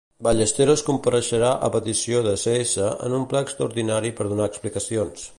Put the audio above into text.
Ballesteros compareixerà, a petició de Cs, en un ple extraordinari per donar explicacions.